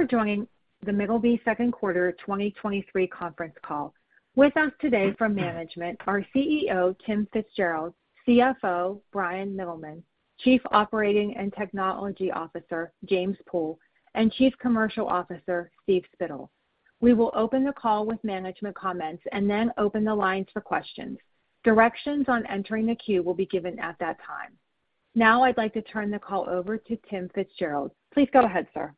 Thank you for joining the Middleby Second Quarter 2023 Conference Call. With us today from management are CEO, Tim FitzGerald, CFO, Bryan Mittelman, Chief Operating and Technology Officer, James Pool, and Chief Commercial Officer, Steve Spittle. We will open the call with management comments and then open the lines for questions. Directions on entering the queue will be given at that time. Now I'd like to turn the call over to Tim FitzGerald. Please go ahead, sir.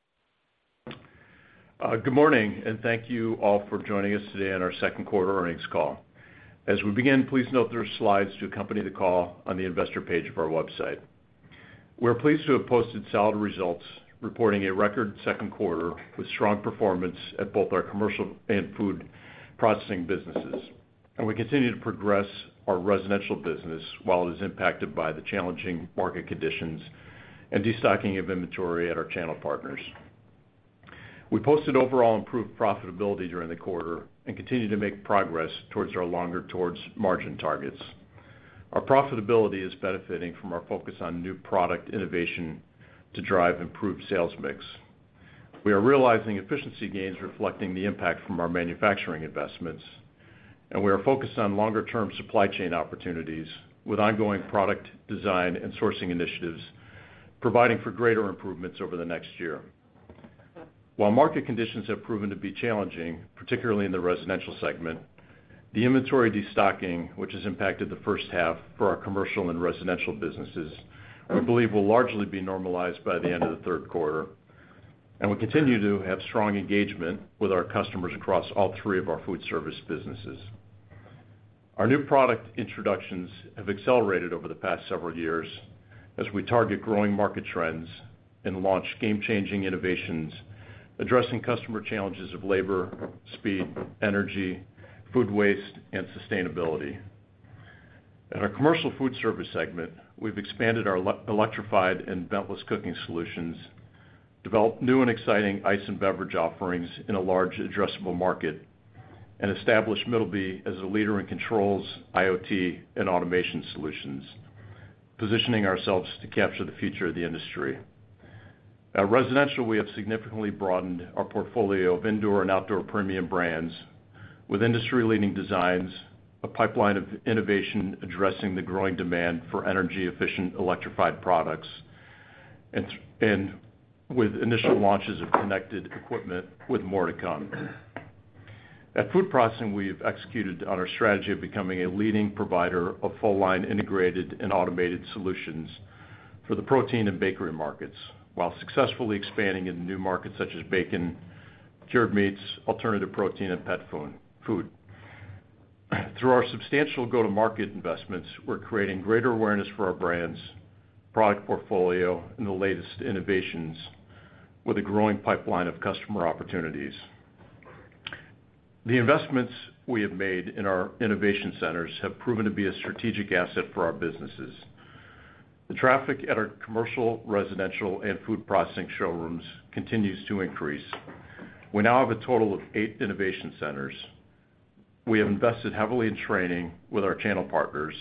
Good morning, thank you all for joining us today on our second quarter earnings call. As we begin, please note there are slides to accompany the call on the investor page of our website. We're pleased to have posted solid results, reporting a record second quarter with strong performance at both our commercial and food processing businesses, and we continue to progress our residential business, while it is impacted by the challenging market conditions and destocking of inventory at our channel partners. We posted overall improved profitability during the quarter and continue to make progress towards our longer towards margin targets. Our profitability is benefiting from our focus on new product innovation to drive improved sales mix. We are realizing efficiency gains reflecting the impact from our manufacturing investments, and we are focused on longer-term supply chain opportunities, with ongoing product design and sourcing initiatives, providing for greater improvements over the next year. While market conditions have proven to be challenging, particularly in the residential segment, the inventory destocking, which has impacted the first half for our commercial and residential businesses, we believe, will largely be normalized by the end of the third quarter, and we continue to have strong engagement with our customers across all three of our foodservice businesses. Our new product introductions have accelerated over the past several years as we target growing market trends and launch game-changing innovations, addressing customer challenges of labor, speed, energy, food waste, and sustainability. In our commercial food service segment, we've expanded our electrified and ventless cooking solutions, developed new and exciting ice and beverage offerings in a large addressable market, and established Middleby as a leader in controls, IoT, and automation solutions, positioning ourselves to capture the future of the industry. At Residential, we have significantly broadened our portfolio of indoor and outdoor premium brands with industry-leading designs, a pipeline of innovation addressing the growing demand for energy-efficient electrified products, and with initial launches of connected equipment, with more to come. At Food Processing, we have executed on our strategy of becoming a leading provider of full-line integrated and automated solutions for the protein and bakery markets, while successfully expanding into new markets such as bacon, cured meats, alternative protein, and pet food. Through our substantial go-to-market investments, we're creating greater awareness for our brands, product portfolio, and the latest innovations with a growing pipeline of customer opportunities. The investments we have made in our innovation centers have proven to be a strategic asset for our businesses. The traffic at our commercial, residential, and food processing showrooms continues to increase. We now have a total of eight innovation centers. We have invested heavily in training with our channel partners,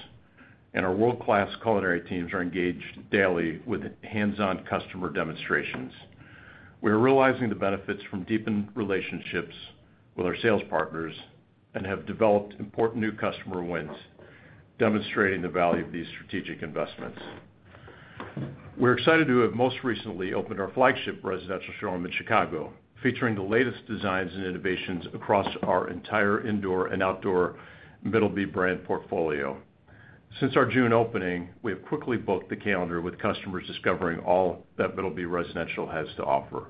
and our world-class culinary teams are engaged daily with hands-on customer demonstrations. We are realizing the benefits from deepened relationships with our sales partners and have developed important new customer wins, demonstrating the value of these strategic investments. We're excited to have most recently opened our flagship residential showroom in Chicago, featuring the latest designs and innovations across our entire indoor and outdoor Middleby brand portfolio. Since our June opening, we have quickly booked the calendar with customers discovering all that Middleby Residential has to offer.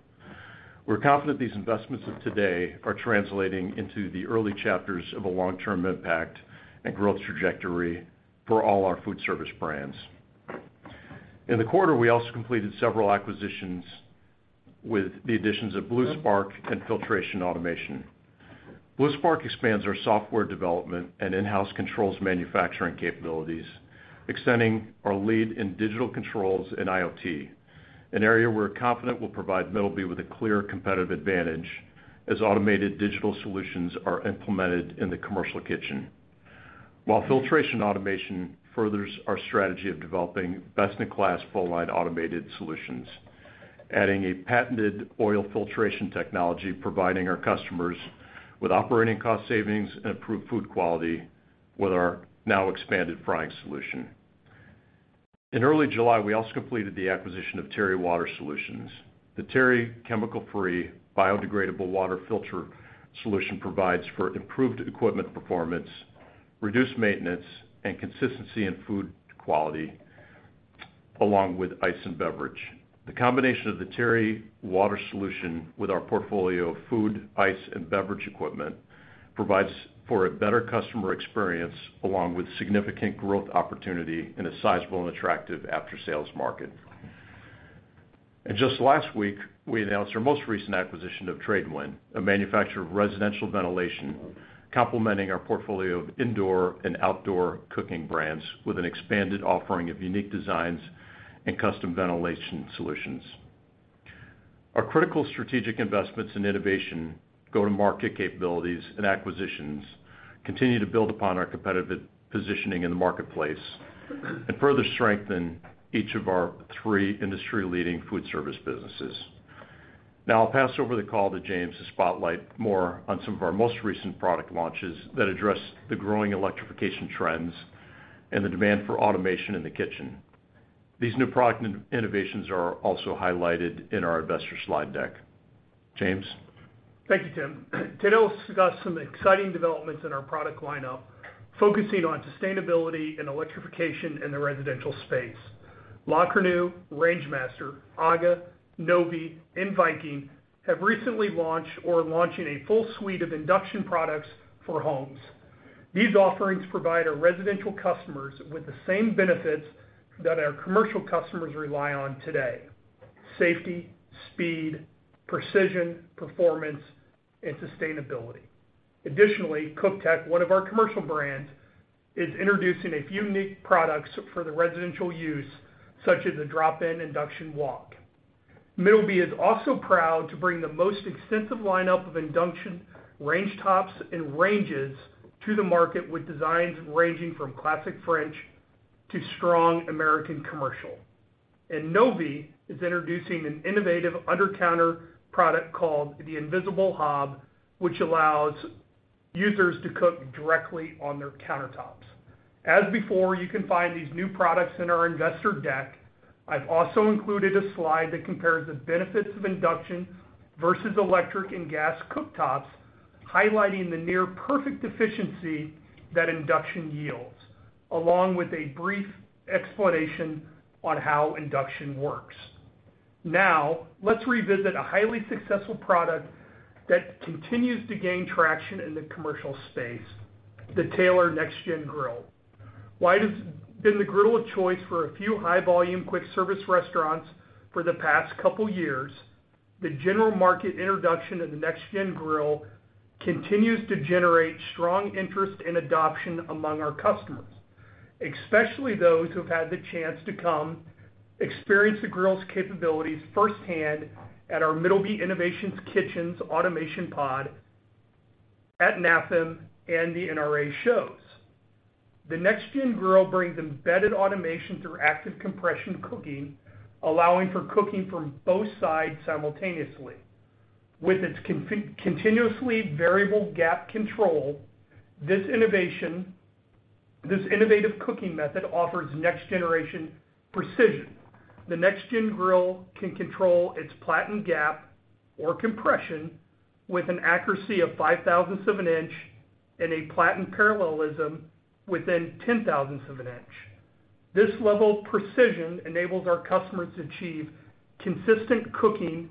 We're confident these investments of today are translating into the early chapters of a long-term impact and growth trajectory for all our food service brands. In the quarter, we also completed several acquisitions with the additions of Blue Spark and Filtration Automation. Blue Spark expands our software development and in-house controls manufacturing capabilities, extending our lead in digital controls and IoT, an area we're confident will provide Middleby with a clear competitive advantage as automated digital solutions are implemented in the commercial kitchen. While Filtration Automation furthers our strategy of developing best-in-class, full-line automated solutions, adding a patented oil filtration technology, providing our customers with operating cost savings and improved food quality with our now expanded frying solution. In early July, we also completed the acquisition of TERRY Water Solutions. The TERRY chemical-free, biodegradable water filter solution provides for improved equipment performance, reduced maintenance, and consistency in food quality, along with ice and beverage. The combination of the TERRY Water Solution with our portfolio of food, ice, and beverage equipment provides for a better customer experience, along with significant growth opportunity in a sizable and attractive after-sales market. Just last week, we announced our most recent acquisition of Trade-Wind, a manufacturer of residential ventilation, complementing our portfolio of indoor and outdoor cooking brands with an expanded offering of unique designs and custom ventilation solutions. Our critical strategic investments in innovation, go-to-market capabilities, and acquisitions continue to build upon our competitive positioning in the marketplace and further strengthen each of our three industry-leading foodservice businesses. Now I'll pass over the call to James to spotlight more on some of our most recent product launches that address the growing electrification trends and the demand for automation in the kitchen. These new product innovations are also highlighted in our investor slide deck. James? Thank you, Tim. Today, I'll discuss some exciting developments in our product lineup, focusing on sustainability and electrification in the residential space. La Cornue, Rangemaster, AGA, Novy, and Viking have recently launched or are launching a full suite of induction products for homes. These offerings provide our residential customers with the same benefits that our commercial customers rely on today: safety, speed, precision, performance, and sustainability. Additionally, CookTek, one of our commercial brands, is introducing a few unique products for the residential use, such as a drop-in induction wok. Middleby is also proud to bring the most extensive lineup of induction range tops and ranges to the market, with designs ranging from classic French to strong American commercial. Novy is introducing an innovative undercounter product called the Invisible Hob, which allows users to cook directly on their countertops. As before, you can find these new products in our investor deck. I've also included a slide that compares the benefits of induction versus electric and gas cooktops, highlighting the near perfect efficiency that induction yields, along with a brief explanation on how induction works. Now, let's revisit a highly successful product that continues to gain traction in the commercial space, the Taylor NexGen Grill. While it has been the grill of choice for a few high-volume quick service restaurants for the past couple years, the general market introduction of the NexGen Grill continues to generate strong interest and adoption among our customers, especially those who have had the chance to come experience the grill's capabilities firsthand at our Middleby Innovations Kitchens automation pod at NAFEM and the NRA shows. The NexGen Grill brings embedded automation through active compression cooking, allowing for cooking from both sides simultaneously. With its continuously variable gap control, this innovative cooking method offers next-generation precision. The NexGen Grill can control its platen gap or compression with an accuracy of 0.005 in and a platen parallelism within 0.010 in. This level of precision enables our customers to achieve consistent cooking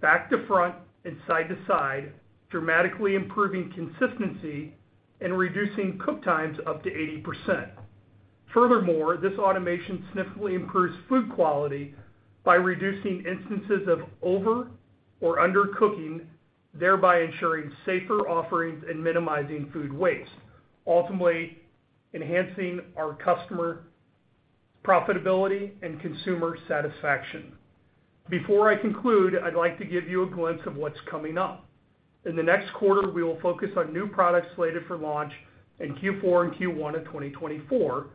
back to front and side to side, dramatically improving consistency and reducing cook times up to 80%. Furthermore, this automation significantly improves food quality by reducing instances of over or under cooking, thereby ensuring safer offerings and minimizing food waste, ultimately enhancing our customer profitability and consumer satisfaction. Before I conclude, I'd like to give you a glimpse of what's coming up. In the next quarter, we will focus on new products slated for launch in Q4 and Q1 of 2024.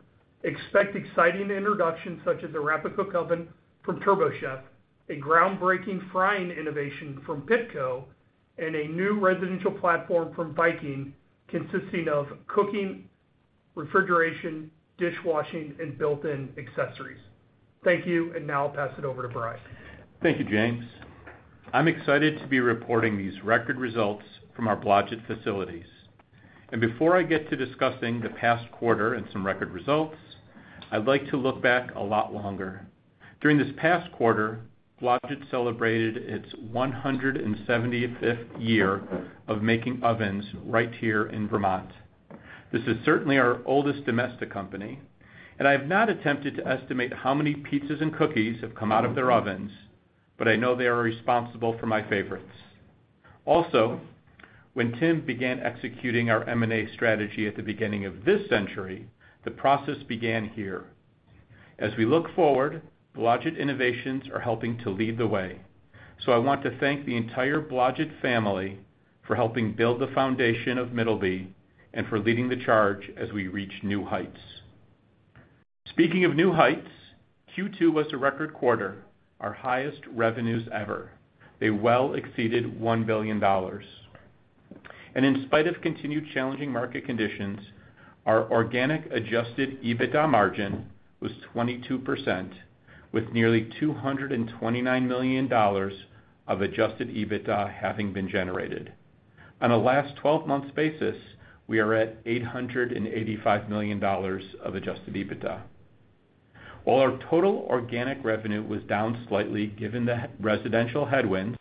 Expect exciting introductions such as a rapid cook oven from TurboChef, a groundbreaking frying innovation from Pitco, and a new residential platform from Viking, consisting of cooking, refrigeration, dishwashing, and built-in accessories. Thank you. Now I'll pass it over to Bryan. Thank you, James. I'm excited to be reporting these record results from our Blodgett facilities. Before I get to discussing the past quarter and some record results, I'd like to look back a lot longer. During this past quarter, Blodgett celebrated its 175th year of making ovens right here in Vermont. This is certainly our oldest domestic company, and I have not attempted to estimate how many pizzas and cookies have come out of their ovens, but I know they are responsible for my favorites. Also, when Tim began executing our M&A strategy at the beginning of this century, the process began here. As we look forward, Blodgett innovations are helping to lead the way, so I want to thank the entire Blodgett family for helping build the foundation of Middleby and for leading the charge as we reach new heights. Speaking of new heights, Q2 was a record quarter, our highest revenues ever. They well exceeded $1 billion. In spite of continued challenging market conditions, our organic adjusted EBITDA margin was 22%, with nearly $229 million of adjusted EBITDA having been generated. On a last twelve-month basis, we are at $885 million of adjusted EBITDA. While our total organic revenue was down slightly, given the residential headwinds,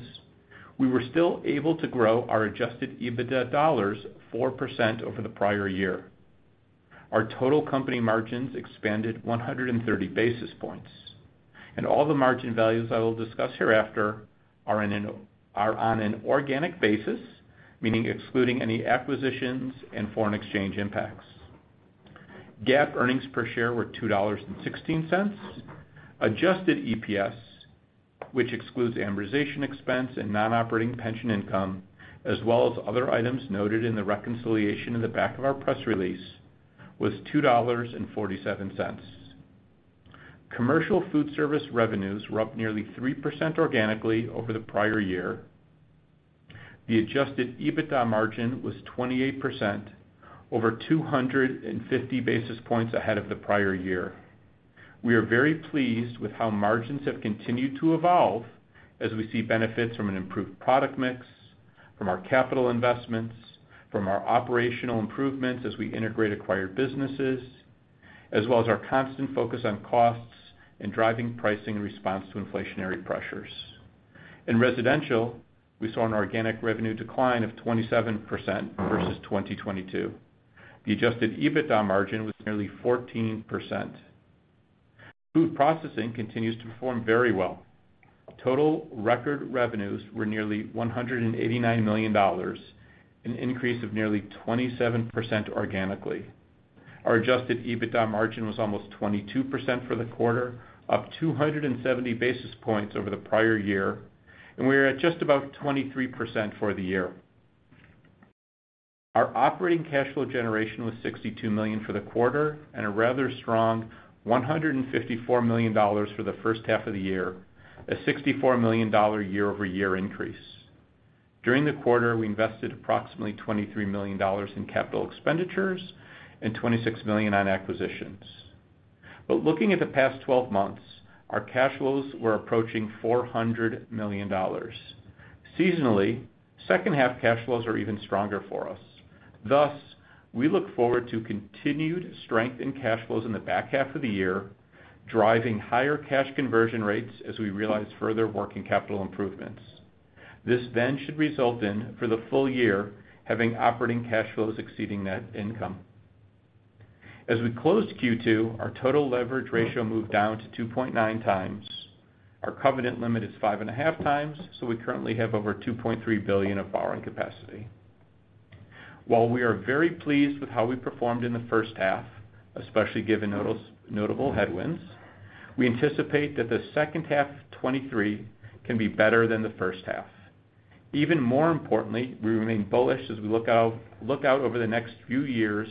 we were still able to grow our adjusted EBITDA dollars 4% over the prior year. Our total company margins expanded 130 basis points, and all the margin values I will discuss hereafter are on an organic basis, meaning excluding any acquisitions and foreign exchange impacts. GAAP earnings per share were $2.16. Adjusted EPS, which excludes amortization expense and non-operating pension income, as well as other items noted in the reconciliation in the back of our press release, was $2.47. Commercial food service revenues were up nearly 3% organically over the prior year. The adjusted EBITDA margin was 28%, over 250 basis points ahead of the prior year. We are very pleased with how margins have continued to evolve as we see benefits from an improved product mix, from our capital investments, from our operational improvements as we integrate acquired businesses, as well as our constant focus on costs and driving pricing in response to inflationary pressures. In residential, we saw an organic revenue decline of 27% versus 2022. The adjusted EBITDA margin was nearly 14%. Food processing continues to perform very well. Total record revenues were nearly $189 million, an increase of nearly 27% organically. Our adjusted EBITDA margin was almost 22% for the quarter, up 270 basis points over the prior year, and we are at just about 23% for the year. Our operating cash flow generation was $62 million for the quarter, and a rather strong $154 million for the first half of the year, a $64 million year-over-year increase. During the quarter, we invested approximately $23 million in capital expenditures and $26 million on acquisitions. Looking at the past 12 months, our cash flows were approaching $400 million. Seasonally, second half cash flows are even stronger for us. We look forward to continued strength in cash flows in the back half of the year, driving higher cash conversion rates as we realize further working capital improvements. This should result in, for the full year, having operating cash flows exceeding net income. As we closed Q2, our total leverage ratio moved down to 2.9x. Our covenant limit is 5.5x, we currently have over $2.3 billion of borrowing capacity. While we are very pleased with how we performed in the first half, especially given notable, notable headwinds, we anticipate that the second half of 2023 can be better than the first half. Even more importantly, we remain bullish as we look out, look out over the next few years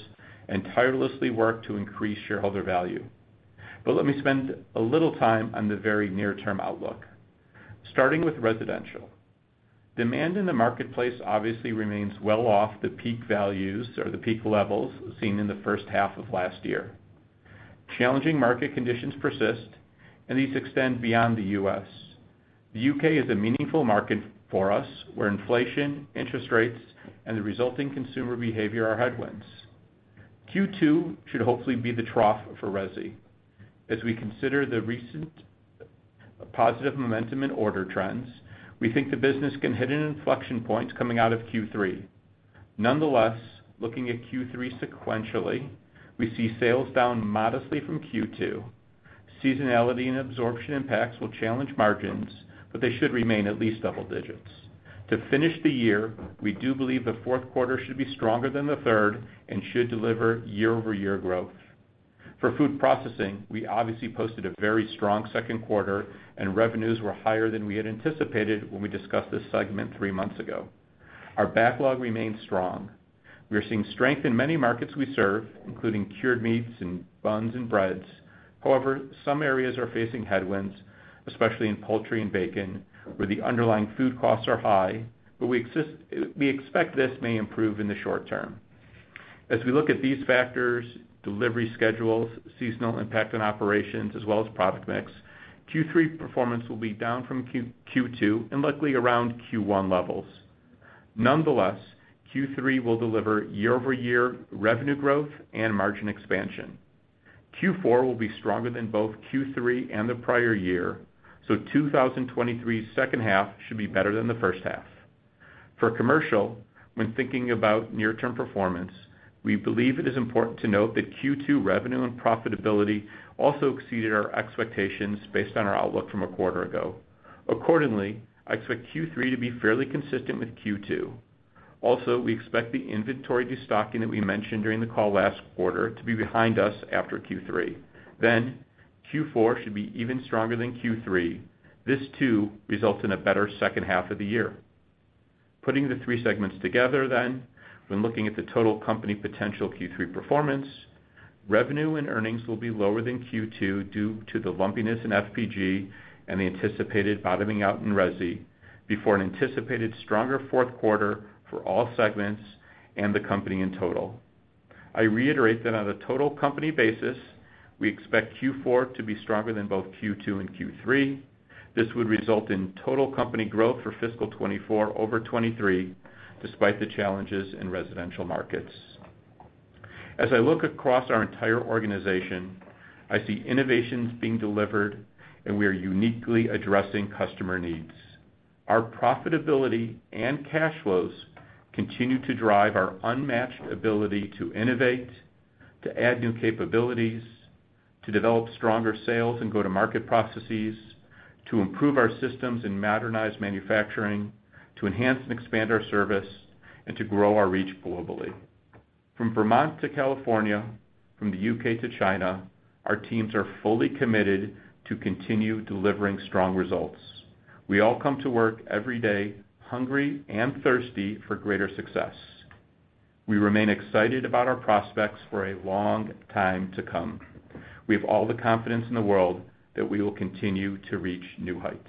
and tirelessly work to increase shareholder value. Let me spend a little time on the very near-term outlook. Starting with residential. Demand in the marketplace obviously remains well off the peak values or the peak levels seen in the first half of last year. Challenging market conditions persist, and these extend beyond the U.S. The U.K. is a meaningful market for us, where inflation, interest rates, and the resulting consumer behavior are headwinds. Q2 should hopefully be the trough for resi. As we consider the recent positive momentum in order trends, we think the business can hit an inflection point coming out of Q3. Nonetheless, looking at Q3 sequentially, we see sales down modestly from Q2. Seasonality and absorption impacts will challenge margins, but they should remain at least double digits. To finish the year, we do believe the fourth quarter should be stronger than the third and should deliver year-over-year growth. For food processing, we obviously posted a very strong second quarter, revenues were higher than we had anticipated when we discussed this segment three months ago. Our backlog remains strong. We are seeing strength in many markets we serve, including cured meats and buns and breads. However, some areas are facing headwinds, especially in poultry and bacon, where the underlying food costs are high, we expect this may improve in the short term. As we look at these factors, delivery schedules, seasonal impact on operations, as well as product mix, Q3 performance will be down from Q2 and likely around Q1 levels. Nonetheless, Q3 will deliver year-over-year revenue growth and margin expansion. Q4 will be stronger than both Q3 and the prior year, 2023's second half should be better than the first half. For commercial, when thinking about near-term performance, we believe it is important to note that Q2 revenue and profitability also exceeded our expectations based on our outlook from a quarter ago. Accordingly, I expect Q3 to be fairly consistent with Q2. We expect the inventory destocking that we mentioned during the call last quarter to be behind us after Q3. Q4 should be even stronger than Q3. This, too, results in a better second half of the year. Putting the three segments together then, when looking at the total company potential Q3 performance, revenue and earnings will be lower than Q2 due to the lumpiness in FPG and the anticipated bottoming out in resi, before an anticipated stronger fourth quarter for all segments and the company in total. I reiterate that on a total company basis, we expect Q4 to be stronger than both Q2 and Q3. This would result in total company growth for fiscal 2024 over 2023, despite the challenges in residential markets. As I look across our entire organization, I see innovations being delivered, and we are uniquely addressing customer needs. Our profitability and cash flows continue to drive our unmatched ability to innovate, to add new capabilities, to develop stronger sales and go-to-market processes, to improve our systems and modernize manufacturing, to enhance and expand our service, and to grow our reach globally. From Vermont to California, from the U.K. to China, our teams are fully committed to continue delivering strong results. We all come to work every day hungry and thirsty for greater success. We remain excited about our prospects for a long time to come. We have all the confidence in the world that we will continue to reach new heights.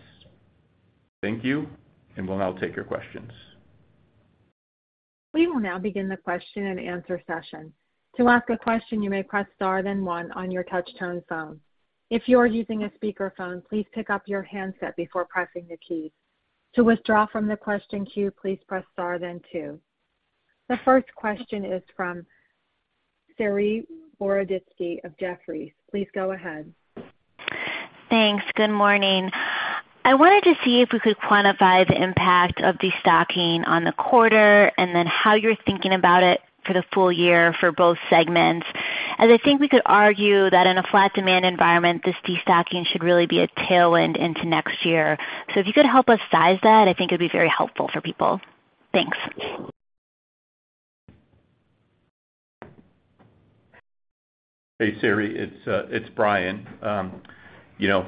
Thank you, and we'll now take your questions. We will now begin the question and answer session. To ask a question, you may press star, then one on your touch-tone phone. If you are using a speakerphone, please pick up your handset before pressing the key. To withdraw from the question queue, please press star then two. The first question is from Saree Boroditsky of Jefferies. Please go ahead. Thanks. Good morning. I wanted to see if we could quantify the impact of destocking on the quarter and then how you're thinking about it for the full year for both segments. I think we could argue that in a flat demand environment, this destocking should really be a tailwind into next year. If you could help us size that, I think it'd be very helpful for people. Thanks. Hey, Saree, it's Bryan. You know,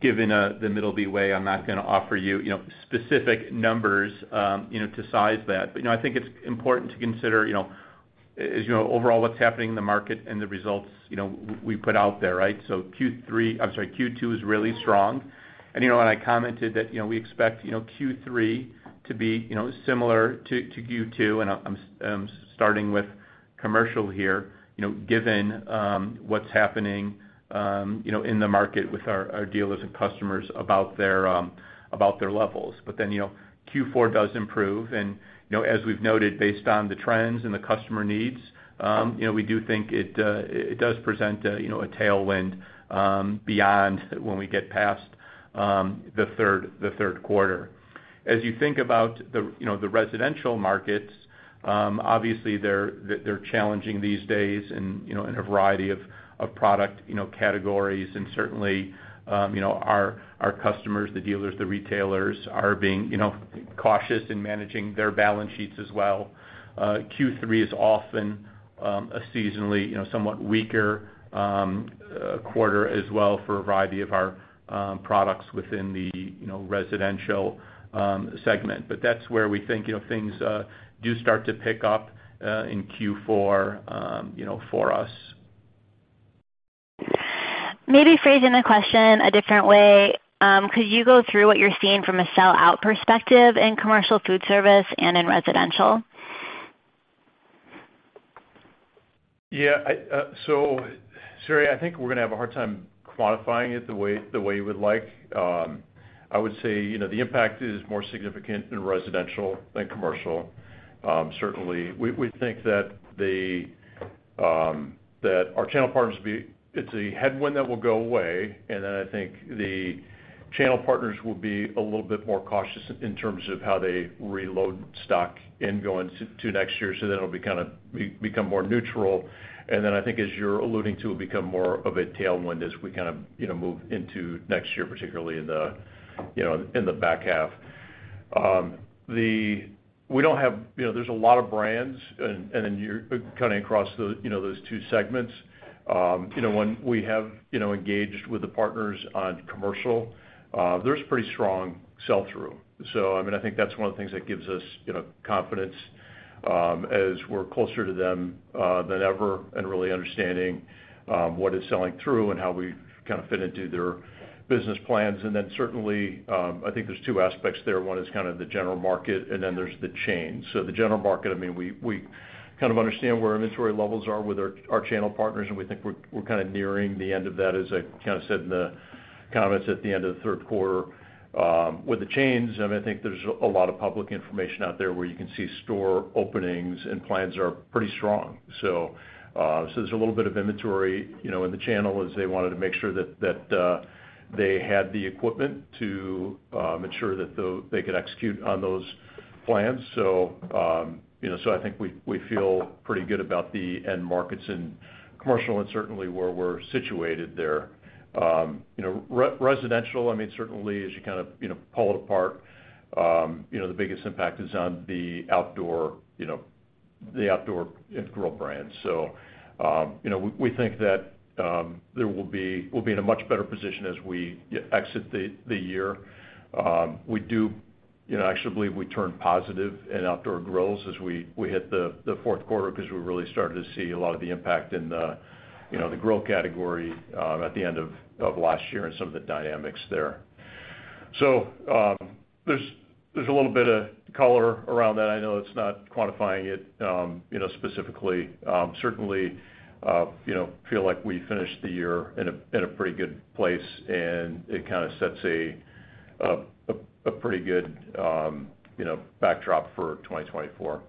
given the Middleby way, I'm not gonna offer you, you know, specific numbers, you know, to size that. You know, I think it's important to consider, you know, as you know, overall what's happening in the market and the results, you know, we put out there, right? Q3, I'm sorry, Q2 is really strong. You know, and I commented that, you know, we expect, you know, Q3 to be, you know, similar to, to Q2, and I'm starting with commercial here, you know, given what's happening, you know, in the market with our, our dealers and customers about their, about their levels. Then, you know, Q4 does improve. You know, as we've noted, based on the trends and the customer needs, you know, we do think it does present a, you know, a tailwind, beyond when we get past the third, the third quarter. As you think about the, you know, the residential markets, obviously, they're challenging these days and, you know, in a variety of, of product, you know, categories. Certainly, you know, our customers, the dealers, the retailers are being, you know, cautious in managing their balance sheets as well. Q3 is often, a seasonally, you know, somewhat weaker, quarter as well for a variety of our products within the, you know, residential, segment. That's where we think, you know, things do start to pick up in Q4, you know, for us. Maybe phrasing the question a different way, could you go through what you're seeing from a sellout perspective in commercial foodservice and in residential? Yeah, I, Saree, I think we're gonna have a hard time quantifying it the way, the way you would like. I would say, you know, the impact is more significant in residential than commercial. Certainly, we, we think that the, that our channel partners it's a headwind that will go away, and then I think the channel partners will be a little bit more cautious in terms of how they reload stock in going to, to next year, so then it'll be kind of, become more neutral. I think as you're alluding to, it'll become more of a tailwind as we kind of, you know, move into next year, particularly in the, you know, in the back half. We don't have, you know, there's a lot of brands and, and you're kind of across those, you know, those two segments. You know, when we have, you know, engaged with the partners on commercial, there's pretty strong sell-through. I mean, I think that's one of the things that gives us, you know, confidence, as we're closer to them than ever, and really understanding what is selling through and how we kind of fit into their business plans. Certainly, I think there's two aspects there. One is kind of the general market, and then there's the chain. The general market, I mean, we, we kind of understand where inventory levels are with our, our channel partners, and we think we're, we're kind of nearing the end of that, as I kind of said in the comments at the end of the third quarter. With the chains, I mean, I think there's a lot of public information out there where you can see store openings and plans are pretty strong. There's a little bit of inventory, you know, in the channel as they wanted to make sure that, that, they had the equipment to ensure that they could execute on those plans. You know, so I think we, we feel pretty good about the end markets and commercial and certainly where we're situated there. You know, residential, I mean, certainly as you kind of, you know, pull it apart, you know, the biggest impact is on the outdoor, you know, the outdoor grill brands. You know, we, we think that we'll be in a much better position as we exit the year. We do, you know, actually, believe we turn positive in outdoor grills as we, we hit the, the fourth quarter because we really started to see a lot of the impact in the, you know, the grill category, at the end of, of last year and some of the dynamics there. There's, there's a little bit of color around that. I know it's not quantifying it, you know, specifically. Certainly, you know, feel like we finished the year in a, in a pretty good place, and it kind of sets a, a pretty good, you know, backdrop for 2024.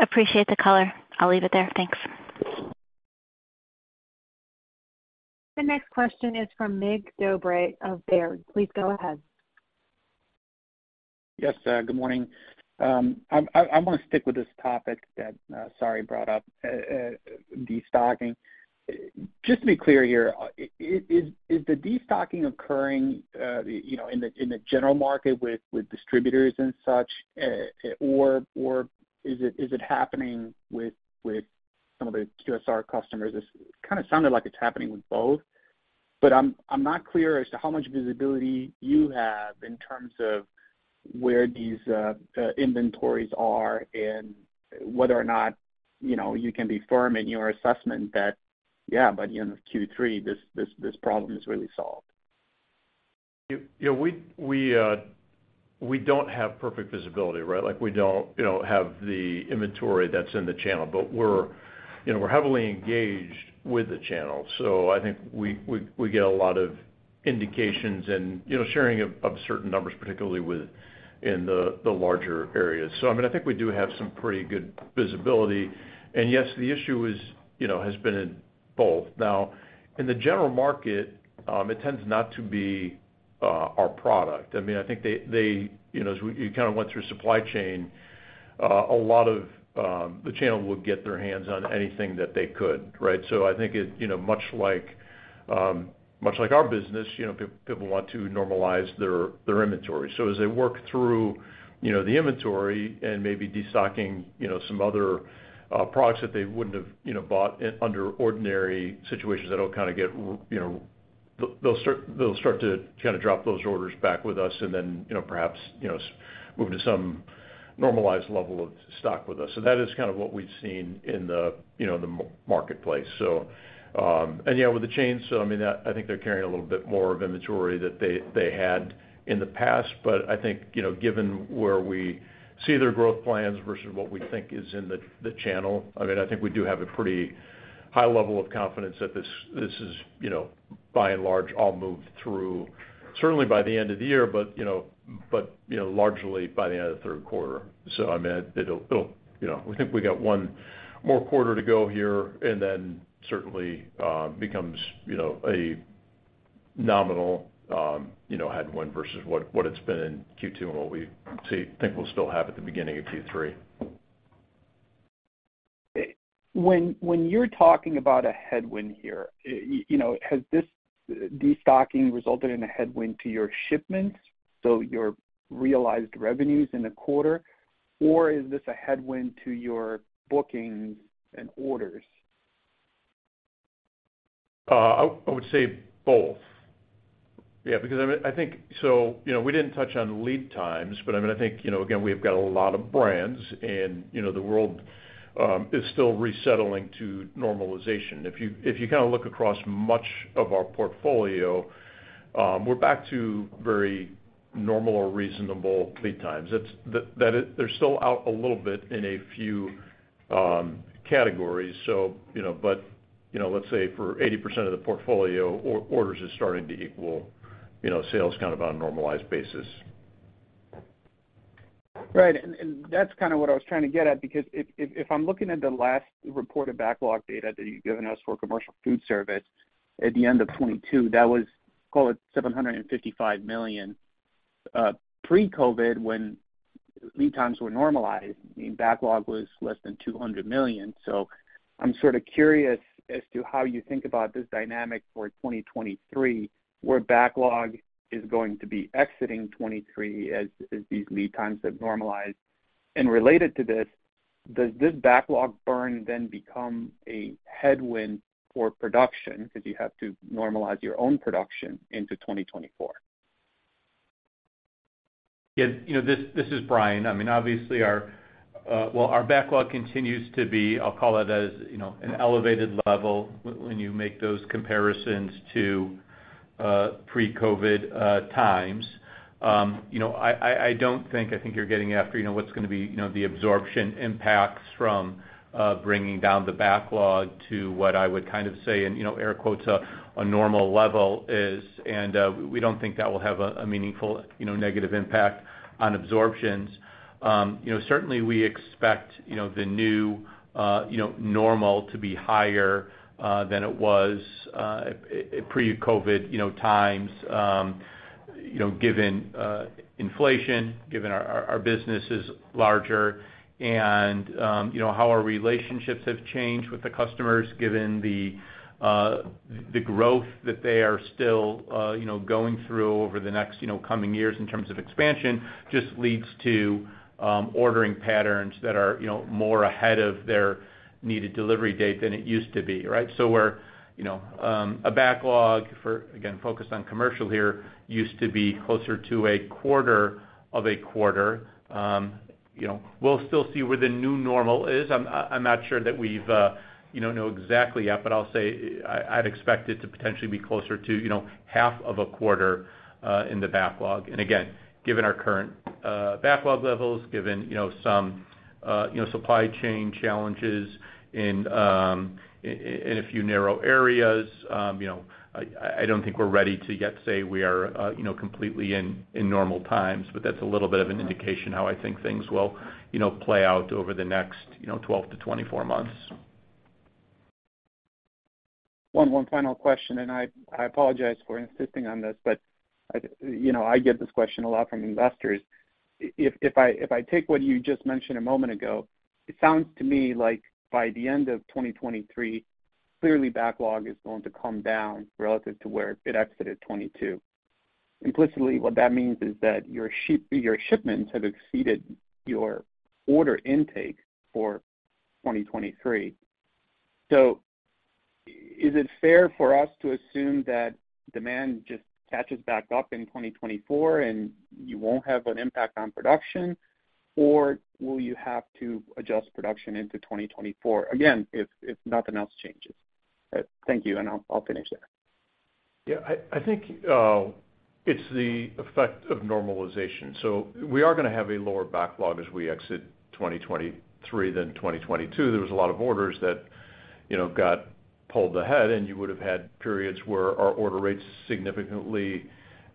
Appreciate the color. I'll leave it there. Thanks. The next question is from Mig Dobre of Baird. Please go ahead. Yes, good morning. I wanna stick with this topic that Saree brought up, destocking. Just to be clear here, is the destocking occurring, you know, in the general market with distributors and such, or is it happening with some of the QSR customers? It's kind of sounded like it's happening with both. I'm not clear as to how much visibility you have in terms of where these inventories are and whether or not, you know, you can be firm in your assessment that, yeah, by the end of Q3, this problem is really solved. Yeah, we, we, we don't have perfect visibility, right? Like, we don't, you know, have the inventory that's in the channel, but we're, you know, we're heavily engaged with the channel. I think we, we, we get a lot of indications and, you know, sharing of, of certain numbers, particularly within the larger areas. I mean, I think we do have some pretty good visibility. Yes, the issue is, you know, has been in both. In the general market, it tends not to be our product. I mean, I think they, they, you know, as we-- you kinda went through supply chain, a lot of, the channel would get their hands on anything that they could, right? I think it, you know, much like, much like our business, you know, people, people want to normalize their, their inventory. As they work through, you know, the inventory and maybe destocking, you know, some other products that they wouldn't have, you know, bought under ordinary situations, that'll kind of get, you know, they'll start, they'll start to kind of drop those orders back with us and then, you know, perhaps, you know, move to some normalized level of stock with us. That is kind of what we've seen in the, you know, the marketplace. Yeah, with the chains, I mean, I think they're carrying a little bit more of inventory that they, they had in the past, but I think, you know, given where we see their growth plans versus what we think is in the, the channel, I mean, I think we do have a pretty high level of confidence that this, this is, you know, by and large, all moved through, certainly by the end of the year, but, you know, largely by the end of the third quarter. I mean, it'll, it'll. You know, we think we got one more quarter to go here, and then certainly, becomes, you know, a nominal, you know, headwind versus what, what it's been in Q2 and think we'll still have at the beginning of Q3. When, when you're talking about a headwind here, you know, has this destocking resulted in a headwind to your shipments, so your realized revenues in the quarter, or is this a headwind to your bookings and orders? I, I would say both. Yeah, because, I mean, I think, you know, we didn't touch on lead times, but, I mean, I think, you know, again, we've got a lot of brands and, you know, the world is still resettling to normalization. If you, if you kind of look across much of our portfolio, we're back to very normal or reasonable lead times. That is, they're still out a little bit in a few categories, so, you know, but, you know, let's say for 80% of the portfolio, orders is starting to equal, you know, sales kind of on a normalized basis. Right. That's kind of what I was trying to get at, because if, if, if I'm looking at the last reported backlog data that you've given us for commercial foodservice at the end of 2022, that was, call it, $755 million. Pre-COVID, when lead times were normalized, I mean, backlog was less than $200 million. I'm sort of curious as to how you think about this dynamic for 2023, where backlog is going to be exiting 2023 as, as these lead times have normalized. Related to this, does this backlog burn then become a headwind for production because you have to normalize your own production into 2024? Yeah, you know, this, this is Bryan. I mean, obviously, our. Well, our backlog continues to be, I'll call it as, you know, an elevated level when you make those comparisons to pre-COVID times. You know, I, I, I don't think, I think you're getting after, you know, what's gonna be, you know, the absorption impacts from bringing down the backlog to what I would kind of say, and, you know, air quotes, "a normal level is." We don't think that will have a, a meaningful, you know, negative impact on absorptions. rtainly we expect, you know, the new, you know, normal to be higher than it was pre-COVID, you know, times. You know, given inflation, given our, our, our business is larger, and, you know, how our relationships have changed with the customers, given the, the growth that they are still, you know, going through over the next, you know, coming years in terms of expansion, just leads to ordering patterns that are, you know, more ahead of their needed delivery date than it used to be, right? We're, you know, a backlog for, again, focused on commercial here, used to be closer to a quarter of a quarter. You know, we'll still see where the new normal is. I'm not sure that we've, you know, know exactly yet, but I'll say I'd expect it to potentially be closer to, you know, half of a quarter in the backlog. And again, given our current backlog levels, given, you know, some, you know, supply chain challenges in a few narrow areas, you know, I, I don't think we're ready to yet say we are, you know, completely in, in normal times, but that's a little bit of an indication how I think things will, you know, play out over the next, you know, 12-24 months. One, one final question. I, I apologize for insisting on this. I, you know, I get this question a lot from investors. If, if I, if I take what you just mentioned a moment ago, it sounds to me like by the end of 2023, clearly backlog is going to come down relative to where it exited 2022. Implicitly, what that means is that your shipments have exceeded your order intake for 2023. Is it fair for us to assume that demand just catches back up in 2024, and you won't have an impact on production? Will you have to adjust production into 2024? Again, if, if nothing else changes. Thank you. I'll, I'll finish there. Yeah, I, I think, it's the effect of normalization. We are gonna have a lower backlog as we exit 2023 than 2022. There was a lot of orders that, you know, got pulled ahead, and you would have had periods where our order rates significantly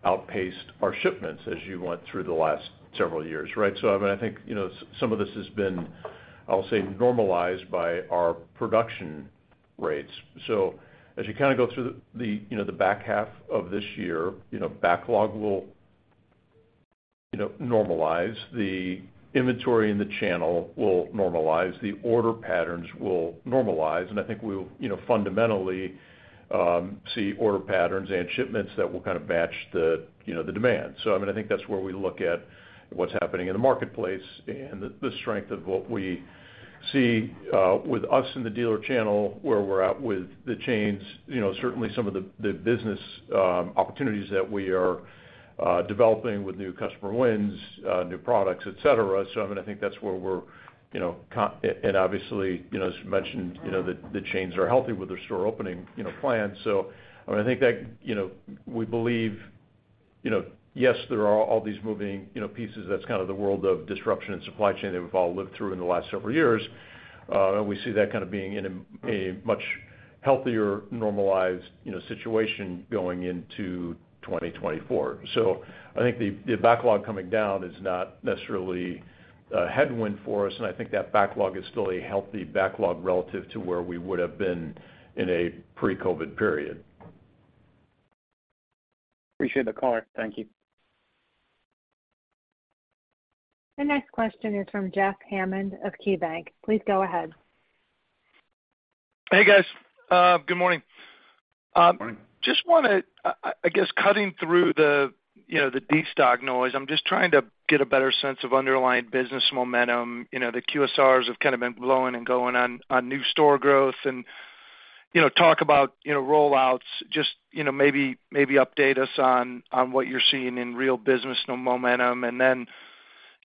outpaced our shipments as you went through the last several years, right? I mean, I think, you know, some of this has been, I'll say, normalized by our production rates. As you kinda go through the, you know, the back half of this year, you know, backlog will, you know, normalize. The inventory in the channel will normalize, the order patterns will normalize, and I think we'll, you know, fundamentally, see order patterns and shipments that will kind of match the, you know, the demand. I mean, I think that's where we look at what's happening in the marketplace and the, the strength of what we see with us in the dealer channel, where we're at with the chains, you know, certainly some of the, the business opportunities that we are developing with new customer wins, new products, et cetera. I mean, I think that's where we're, you know, and obviously, you know, as mentioned, you know, the, the chains are healthy with their store opening, you know, plans. I mean, I think that, you know, we believe, you know, yes, there are all these moving, you know, pieces. That's kind of the world of disruption and supply chain that we've all lived through in the last several years. We see that kind of being in a, a much healthier, normalized, you know, situation going into 2024. I think the, the backlog coming down is not necessarily a headwind for us, and I think that backlog is still a healthy backlog relative to where we would've been in a pre-COVID period. Appreciate the color. Thank you. The next question is from Jeff Hammond of KeyBanc. Please go ahead. Hey, guys, good morning. Good morning. Just wanna... I, I, I guess, cutting through the, you know, the destock noise, I'm just trying to get a better sense of underlying business momentum. You know, the QSRs have kind of been blowing and going on, on new store growth and, you know, talk about, you know, rollouts. Just, you know, maybe, maybe update us on, on what you're seeing in real business, you know, momentum. Then,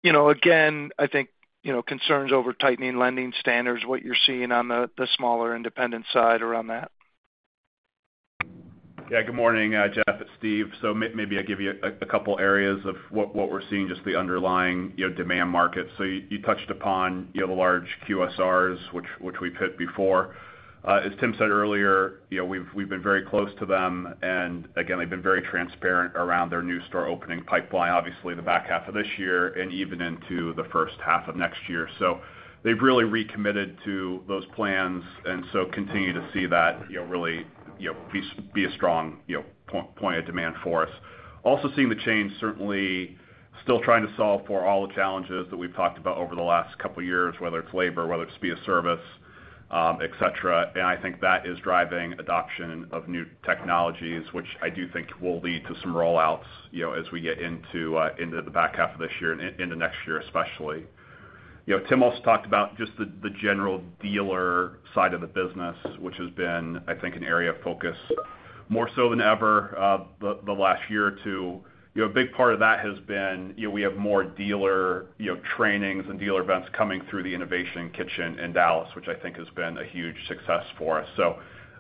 you know, again, I think, you know, concerns over tightening lending standards, what you're seeing on the, the smaller independent side around that. Yeah. Good morning, Jeff, it's Steve. Maybe I give you a couple areas of what we're seeing, just the underlying, you know, demand market. You, you touched upon, you know, the large QSRs, which we've hit before. As Tim said earlier, you know, we've been very close to them, and again, they've been very transparent around their new store opening pipeline, obviously, the back half of this year and even into the first half of next year. They've really recommitted to those plans, and so continue to see that, you know, really, you know, be a strong, you know, point of demand for us. Also, seeing the change, certainly still trying to solve for all the challenges that we've talked about over the last couple years, whether it's labor, whether it's via service, et cetera. I think that is driving adoption of new technologies, which I do think will lead to some rollouts, you know, as we get into the back half of this year and into next year, especially. You know, Tim also talked about just the, the general dealer side of the business, which has been, I think, an area of focus more so than ever, the last year or two. You know, a big part of that has been, you know, we have more dealer, you know, trainings and dealer events coming through the Innovation Kitchen in Dallas, which I think has been a huge success for us.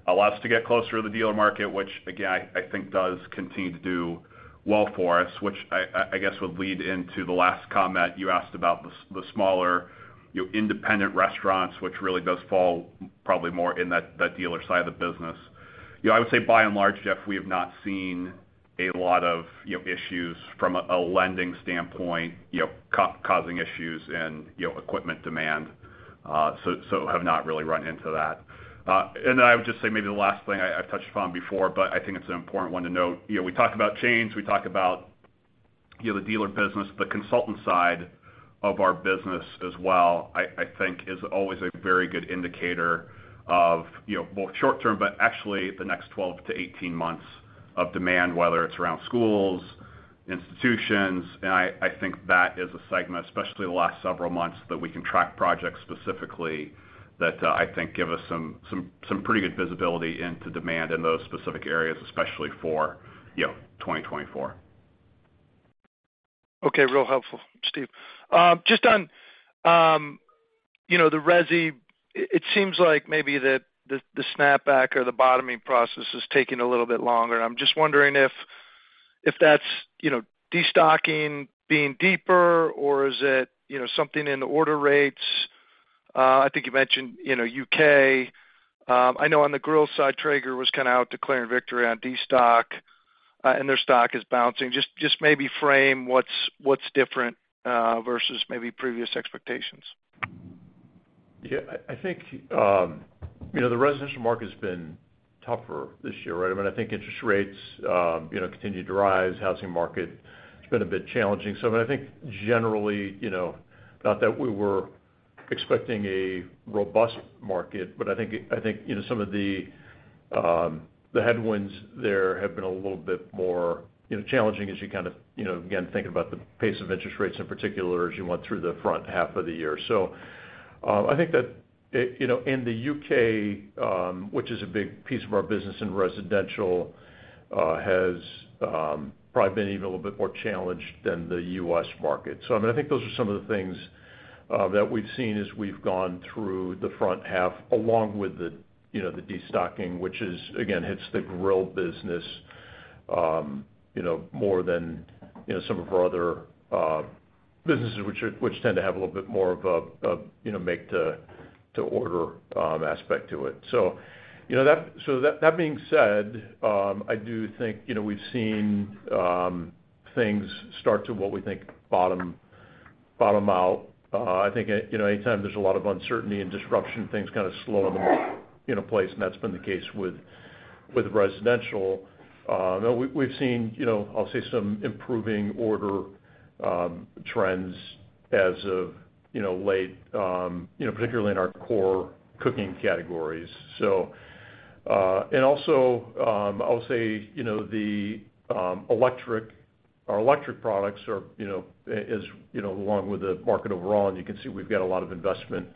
Allows us to get closer to the dealer market, which again, I, I think does continue to do well for us, which I, I guess, would lead into the last comment you asked about the smaller, you know, independent restaurants, which really does fall probably more in that dealer side of the business. You know, I would say by and large, Jeff, we have not seen a lot of, you know, issues from a lending standpoint, you know, causing issues in, you know, equipment demand, so have not really run into that. Then I would just say maybe the last thing I've touched upon before, but I think it's an important one to note. You know, we talked about change, we talked about, you know, the dealer business. The consultant side of our business as well, I, I think, is always a very good indicator of, you know, both short term, but actually the next 12-18 months of demand, whether it's around schools, institutions. I, I think that is a segment, especially the last several months, that we can track projects specifically, that I think give us some, some, some pretty good visibility into demand in those specific areas, especially for, you know, 2024. Okay, real helpful, Steve. Just on, you know, the resi, i- it seems like maybe that the, the snapback or the bottoming process is taking a little bit longer. I'm just wondering if that's, you know, destocking being deeper, or is it, you know, something in the order rates? I think you mentioned, you know, U.K. I know on the grill side, Traeger was kind of out declaring victory on destock, and their stock is bouncing. Just, just maybe frame what's, what's different, versus maybe previous expectations? Yeah, I, I think, you know, the residential market has been tougher this year, right? I mean, I think interest rates, you know, continued to rise. Housing market has been a bit challenging. I mean, I think generally, you know, not that we were expecting a robust market, but I think, I think, you know, some of the headwinds there have been a little bit more, you know, challenging as you kind of, you know, again, think about the pace of interest rates in particular as you went through the front half of the year. I think that, you know, in the U.K., which is a big piece of our business in residential, has probably been even a little bit more challenged than the U.S. market. I mean, I think those are some of the things, that we've seen as we've gone through the front half, along with the, you know, the destocking, which is, again, hits the grill business, you know, more than, you know, some of our other, businesses, which tend to have a little bit more of a, of, you know, make to, to order, aspect to it. You know, that, so that, that being said, I do think, you know, we've seen, things start to what we think bottom out. I think, you know, anytime there's a lot of uncertainty and disruption, things kind of slow in a place, and that's been the case with, with residential. We, we've seen, you know, I'll say, some improving order trends as of, you know, late, you know, particularly in our core cooking categories. Also, I'll say, you know, the electric our electric products are, you know, as, you know, along with the market overall, and you can see we've got a lot of investment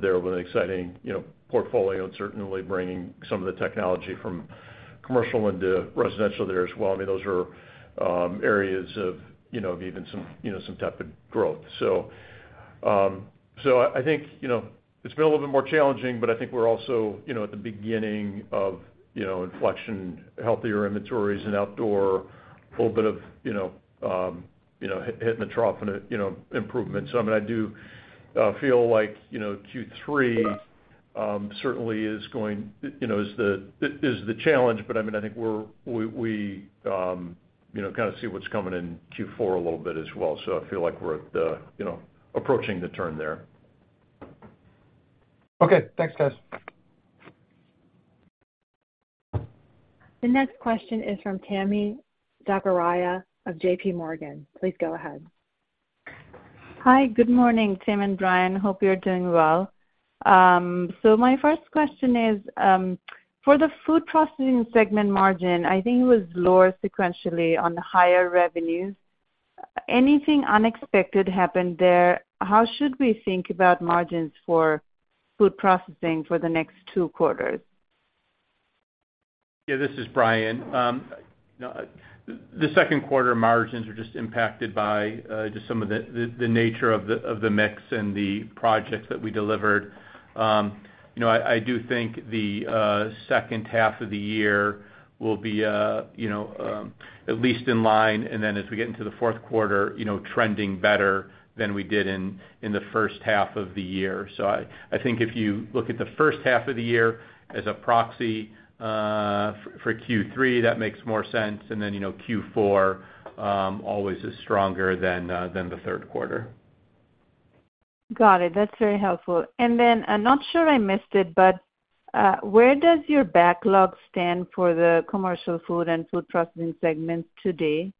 there with an exciting, you know, portfolio and certainly bringing some of the technology from commercial into residential there as well. I mean, those are areas of, you know, even some, you know, some type of growth. I, I think, you know, it's been a little bit more challenging, but I think we're also, you know, at the beginning of, you know, inflection, healthier inventories and outdoor, a little bit of, hitting the trough and, you know, improvement. I mean, I do feel like, you know, Q3 certainly is going. You know, is the challenge, but I mean, I think we're, we, you know, kind of see what's coming in Q4 a little bit as well. I feel like we're at the, you know, approaching the turn there. Okay. Thanks, guys. The next question is from Tami Zakaria of JPMorgan. Please go ahead. Hi, good morning, Tim and Bryan. Hope you're doing well. My first question is for the food processing segment margin, I think it was lower sequentially on higher revenues. Anything unexpected happened there? How should we think about margins for food processing for the next two quarters? Yeah, this is Bryan. You know, the second quarter margins are just impacted by just some of the nature of the mix and the projects that we delivered. You know, I, I do think the second half of the year will be, you know, at least in line, and then as we get into the fourth quarter, you know, trending better than we did in the first half of the year. I, I think if you look at the first half of the year as a proxy for Q3, that makes more sense. Then, you know, Q4 always is stronger than the third quarter. Got it. That's very helpful. I'm not sure I missed it, but, where does your backlog stand for the commercial food and food processing segments today?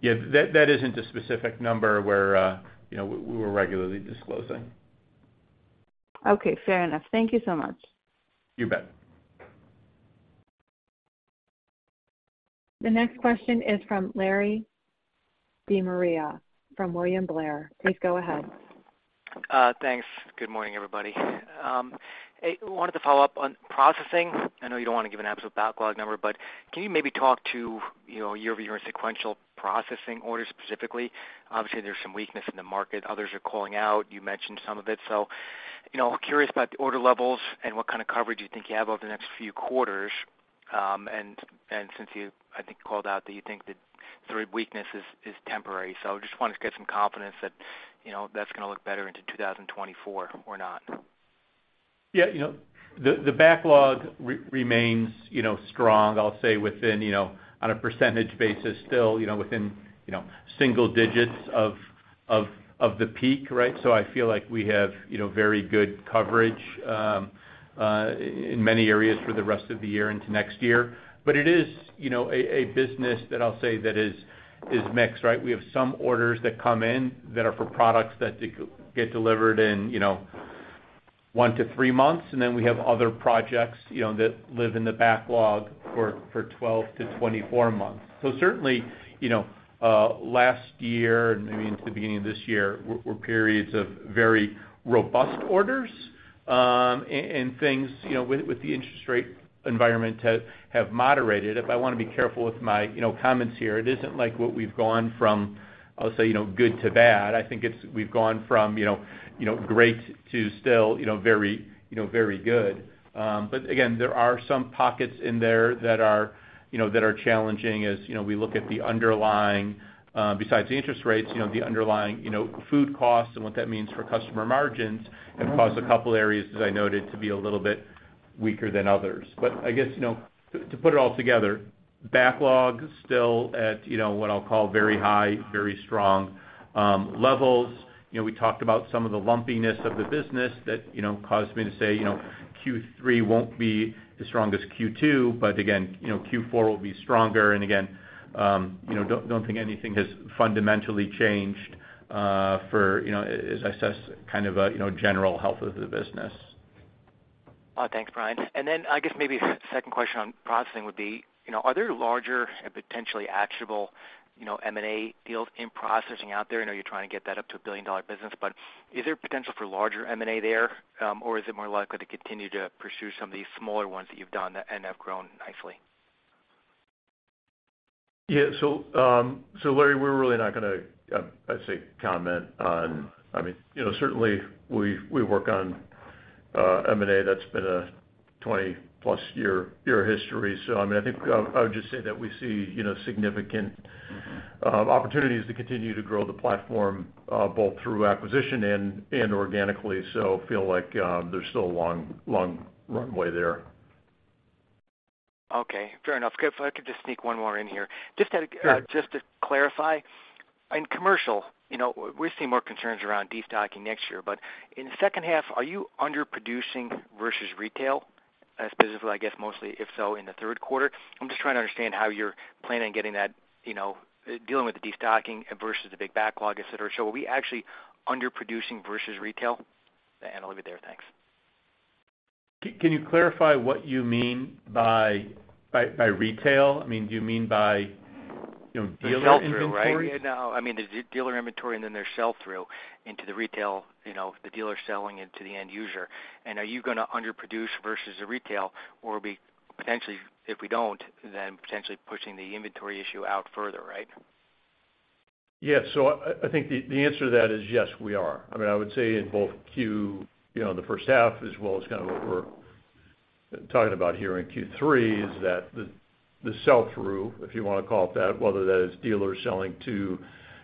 Yeah, that, that isn't a specific number where, you know, we, we're regularly disclosing. Okay, fair enough. Thank you so much. You bet. The next question is from Larry De Maria, from William Blair. Please go ahead. Thanks. Good morning, everybody. I wanted to follow up on processing. I know you don't want to give an absolute backlog number. Can you maybe talk to, you know, year-over-year sequential processing orders specifically? Obviously, there's some weakness in the market. Others are calling out, you mentioned some of it. Curious about the order levels and what kind of coverage you think you have over the next few quarters. Since you, I think, called out that you think the three weaknesses is temporary. Just wanted to get some confidence that, you know, that's gonna look better into 2024 or not. Yeah, you know, the, the backlog remains, you know, strong, I'll say, within, you know, on a percentage basis, still, you know, within, you know, single digits of the peak, right? I feel like we have, you know, very good coverage in many areas for the rest of the year into next year. It is, you know, a business that I'll say that is mixed, right? We have some orders that come in that are for products that they get delivered in, you know, one to three months, then we have other projects, you know, that live in the backlog for 12-24 months. Certainly, you know, last year and maybe into the beginning of this year, were periods of very robust orders, and things, you know, with the interest rate environment have moderated. If I wanna be careful with my, you know, comments here, it isn't like what we've gone from, I'll say, you know, good to bad. I think we've gone from, you know, you know, great to still, you know, very, you know, very good. Again, there are some pockets in there that are, you know, that are challenging as, you know, we look at the underlying, besides the interest rates, you know, the underlying, you know, food costs and what that means for customer margins, have caused a couple areas, as I noted, to be a little bit weaker than others. I guess, you know, to, to put it all together, backlog still at, you know, what I'll call very high, very strong, levels. You know, we talked about some of the lumpiness of the business that, you know, caused me to say, you know, Q3 won't be as strong as Q2, but again, you know, Q4 will be stronger. Again, you know, don't, don't think anything has fundamentally changed, for, you know, as I assess kind of a, you know, general health of the business. Thanks, Bryan. Then I guess maybe second question on processing would be, you know, are there larger and potentially actionable, you know, M&A deals in processing out there? I know you're trying to get that up to a $1 billion business, but is there potential for larger M&A there? Or is it more likely to continue to pursue some of these smaller ones that you've done and have grown nicely? Yeah. Larry, we're really not gonna, I'd say, comment on, I mean, you know, certainly, we, we work on, M&A. That's been a 20-plus year, year history. I mean, I think I, I would just say that we see, you know, significant opportunities to continue to grow the platform, both through acquisition and organically. Feel like, there's still a long, long runway there. Okay, fair enough. If I could just sneak one more in here. Sure. Just to, just to clarify, in commercial, you know, we're seeing more concerns around destocking next year, but in the second half, are you underproducing versus retail as specifically, I guess, mostly, if so, in the third quarter? I'm just trying to understand how you're planning on getting that, you know, dealing with the destocking versus the big backlog, et cetera. So are we actually underproducing versus retail? And I'll leave it there. Thanks. Can you clarify what you mean by retail? I mean, do you mean by, you know, dealer inventory? right? No, I mean, the dealer inventory, then there's sell-through into the retail, you know, the dealer selling into the end user. Are you gonna underproduce versus the retail, or be potentially, if we don't, then potentially pushing the inventory issue out further, right? I, I think the, the answer to that is yes, we are. I mean, I would say in both, you know, in the first half, as well as kind of what we're talking about here in Q3, is that the, the sell-through, if you wanna call it that, whether that is dealers selling to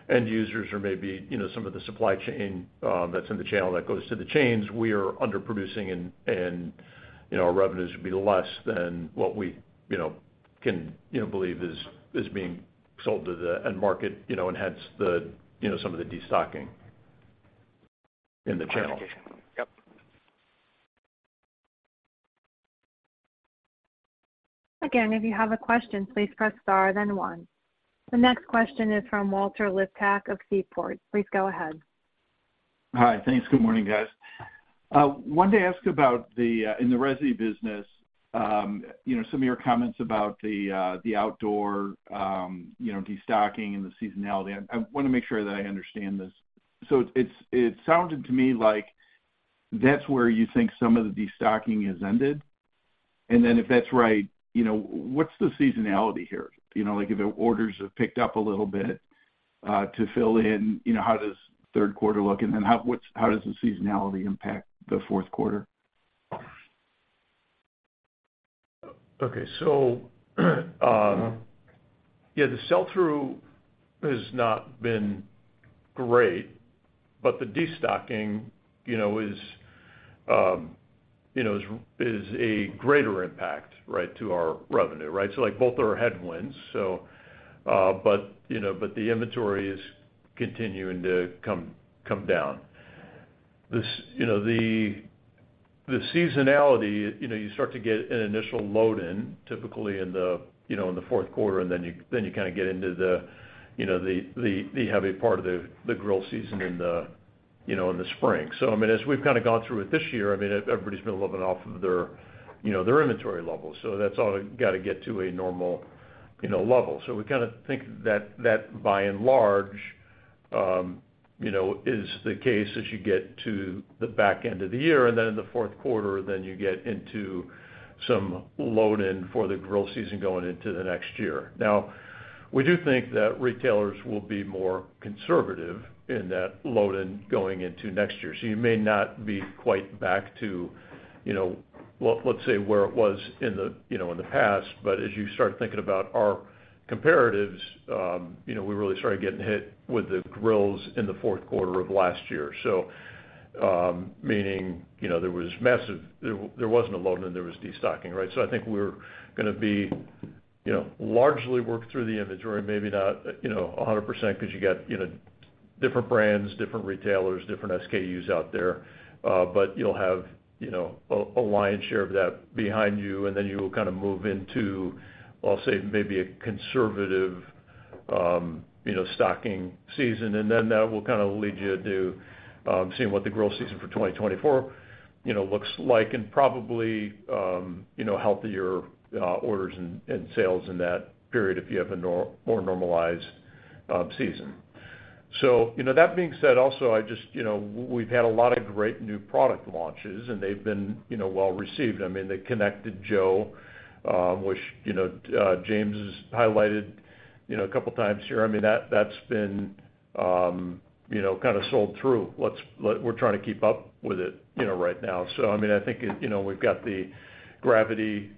end users or maybe, you know, some of the supply chain that's in the channel that goes to the chains, we are underproducing and, and, you know, our revenues will be less than what we, you know, can, you know, believe is, is being sold to the end market, you know, and hence the, you know, some of the destocking in the channel. Clarification. Yep. Again, if you have a question, please press star, then One. The next question is from Walter Liptak of Seaport. Please go ahead. Hi. Thanks. Good morning, guys. wanted to ask about the in the resi business, you know, some of your comments about the outdoor, you know, destocking and the seasonality. I, I wanna make sure that I understand this. It's, it sounded to me like that's where you think some of the destocking has ended. If that's right, you know, what's the seasonality here? You know, like if the orders have picked up a little bit, to fill in, you know, how does third quarter look, and then how does the seasonality impact the fourth quarter? Okay. Yeah, the sell-through has not been great, but the destocking, you know, is, you know, is, is a greater impact, right, to our revenue, right? Like, both are headwinds, so, but, you know, but the inventory is continuing to come, come down. This, you know, the, the seasonality, you know, you start to get an initial load in typically in the, you know, in the fourth quarter, and then you, then you kind of get into the, you know, the, the, the heavy part of the, the grill season in the, you know, in the spring. I mean, as we've kind of gone through it this year, I mean, everybody's been a little bit off of their, you know, their inventory levels, so that's all gotta get to a normal, you know, level. We kind of think that that, by and large, you know, is the case as you get to the back end of the year, and then in the fourth quarter, then you get into some load in for the grill season going into the next year. We do think that retailers will be more conservative in that load in going into next year. You may not be quite back to, you know, let's say, where it was in the, you know, in the past. As you start thinking about our comparatives, you know, we really started getting hit with the grills in the fourth quarter of last year. Meaning, you know, there was massive. There wasn't a load in, there was destocking, right? I think we're gonna be, you know, largely work through the inventory, maybe not, you know, 100% because you got, you know, different brands, different retailers, different SKUs out there. You'll have, you know, a, a lion's share of that behind you, and then you will kind of move into, I'll say, maybe a conservative, you know, stocking season. That will kind of lead you to, seeing what the grill season for 2024, you know, looks like and probably, you know, healthier, orders and, and sales in that period if you have a more normalized season. That being said, also, I just, you know, we've had a lot of great new product launches, and they've been, you know, well-received. I mean, the Konnected Joe, which, you know, James has highlighted, you know, a couple times here. I mean, that's been, you know, kind of sold through. We're trying to keep up with it, you know, right now. I mean, I think, you know, we've got the Gravity,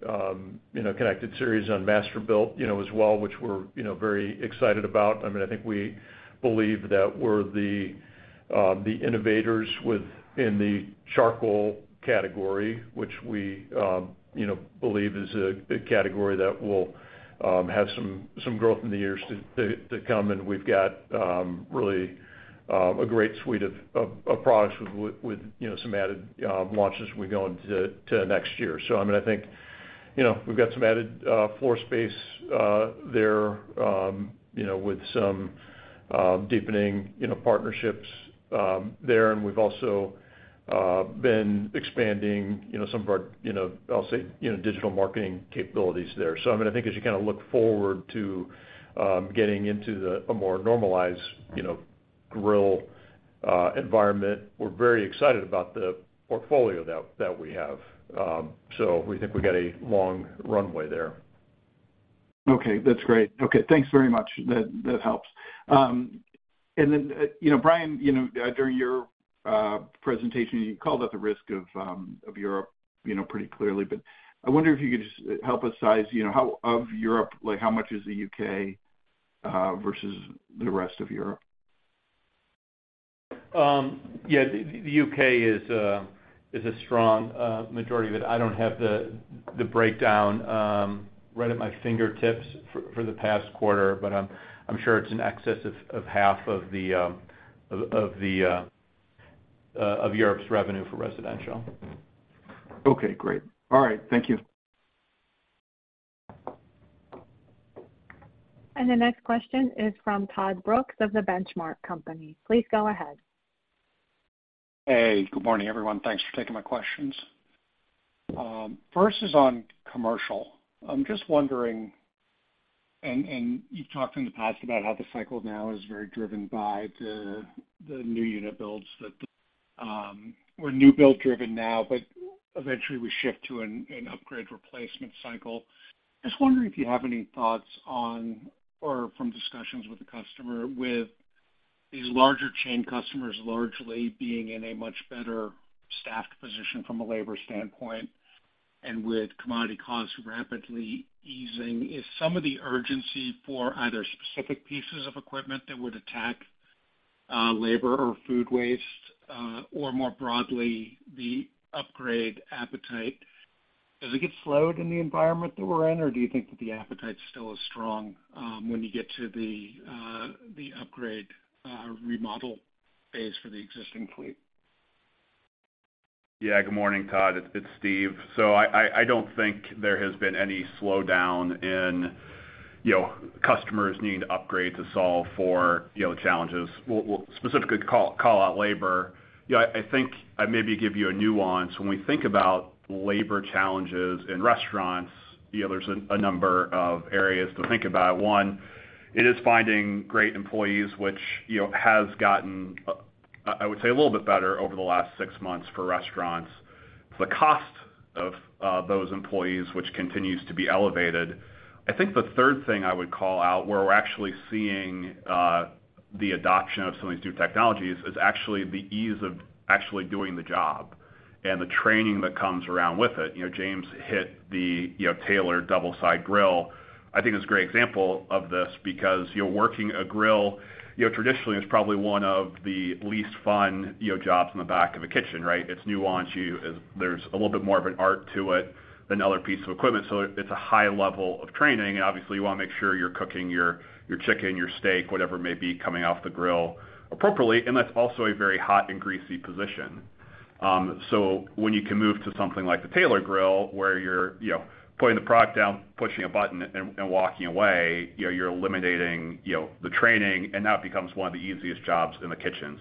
you know, connected series on Masterbuilt, you know, as well, which we're, you know, very excited about. I mean, I think we believe that we're the, the innovators within the charcoal category, which we, you know, believe is a category that will, have some, some growth in the years to, to, to come. We've got, really, a great suite of, of, of products with, with, you know, some added launches as we go into, to next year. I mean, I think. you know, we've got some added, floor space, there, you know, with some, deepening, you know, partnerships, there. We've also, been expanding, you know, some of our, you know, I'll say, you know, digital marketing capabilities there. I mean, I think as you kind of look forward to, getting into the, a more normalized, you know, grill, environment, we're very excited about the portfolio that, that we have. We think we've got a long runway there. Okay, that's great. Okay, thanks very much. That, that helps. And then, you know, Bryan, you know, during your presentation, you called out the risk of Europe, you know, pretty clearly. I wonder if you could just help us size, you know, how, of Europe, like, how much is the U.K. versus the rest of Europe? Yeah, the U.K. is a strong majority of it. I don't have the breakdown right at my fingertips for the past quarter, but I'm sure it's in excess of half of Europe's revenue for residential. Okay, great. All right. Thank you. The next question is from Todd Brooks of The Benchmark Company. Please go ahead. Hey, good morning, everyone. Thanks for taking my questions. First is on commercial. I'm just wondering, you've talked in the past about how the cycle now is very driven by the new unit builds, that we're new build driven now, but eventually, we shift to an upgrade replacement cycle. Just wondering if you have any thoughts on, or from discussions with the customer, with these larger chain customers largely being in a much better staffed position from a labor standpoint, and with commodity costs rapidly easing, is some of the urgency for either specific pieces of equipment that would attack, labor or food waste, or more broadly, the upgrade appetite, does it get slowed in the environment that we're in, or do you think that the appetite still is strong, when you get to the upgrade, remodel phase for the existing fleet? Yeah, good morning, Todd. It's Steve. I don't think there has been any slowdown in, you know, customers needing to upgrade to solve for, you know, challenges. We'll specifically call out labor. Yeah, I think I'd maybe give you a nuance. When we think about labor challenges in restaurants, you know, there's a number of areas to think about. One, it is finding great employees, which, you know, has gotten, I would say, a little bit better over the last six months for restaurants. The cost of those employees, which continues to be elevated. I think the third thing I would call out, where we're actually seeing the adoption of some of these new technologies, is actually the ease of actually doing the job and the training that comes around with it. You know, James hit the, you know, Taylor double-side grill. I think it's a great example of this because, you know, working a grill, you know, traditionally, is probably one of the least fun, you know, jobs in the back of a kitchen, right? It's nuance. There's a little bit more of an art to it than other pieces of equipment, so it's a high level of training, and obviously, you wanna make sure you're cooking your, your chicken, your steak, whatever it may be, coming off the grill appropriately, and that's also a very hot and greasy position. When you can move to something like the Taylor Grill, where you're, you know, putting the product down, pushing a button, and, and walking away, you know, you're eliminating, you know, the training, and now it becomes one of the easiest jobs in the kitchen.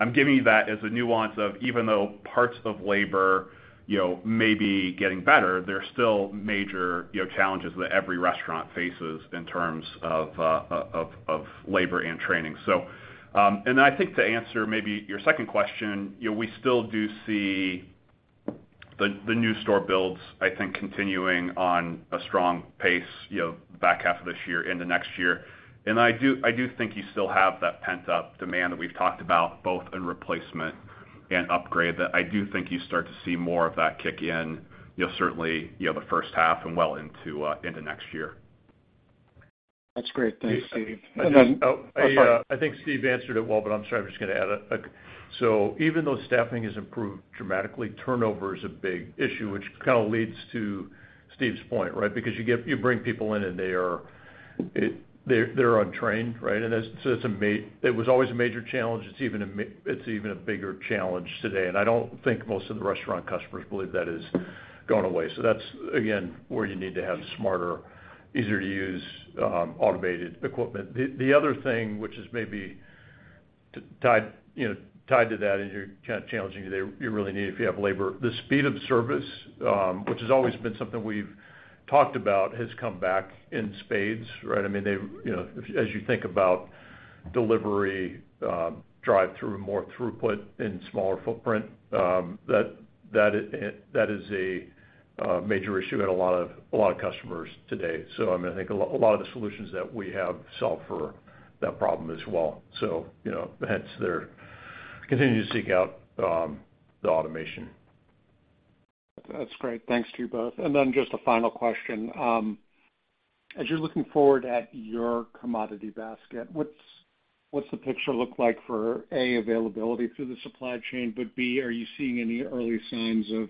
I'm giving you that as a nuance of, even though parts of labor, you know, may be getting better, there are still major, you know, challenges that every restaurant faces in terms of, of, of labor and training. I think to answer maybe your second question, you know, we still do see the, the new store builds, I think, continuing on a strong pace, you know, back half of this year into next year. I do, I do think you still have that pent-up demand that we've talked about, both in replacement and upgrade, that I do think you start to see more of that kick in. You'll certainly, you know, the first half and well into, into next year. That's great. Thanks, Steve. And then I, I think Steve answered it well, but I'm sorry, I'm just gonna add. Even though staffing has improved dramatically, turnover is a big issue, which kind of leads to Steve's point, right? Because you bring people in, and they are, they're, they're untrained, right? That's, it was always a major challenge, it's even a bigger challenge today, and I don't think most of the restaurant customers believe that is going away. That's, again, where you need to have smarter, easier-to-use, automated equipment. The other thing, which is maybe tied, you know, tied to that, and you're kind of challenging today, you really need if you have labor, the speed of service, which has always been something we've talked about, has come back in spades, right? I mean, they, you know, as you think about delivery, drive-through, more throughput in smaller footprint, that is a major issue in a lot of, a lot of customers today. I mean, I think a lot of the solutions that we have solve for that problem as well. You know, hence, they're continuing to seek out the automation. That's great. Thanks to you both. Then just a final question. As you're looking forward at your commodity basket, what's, what's the picture look like for, A, availability through the supply chain, but B, are you seeing any early signs of